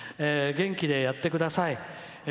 元気でやってください。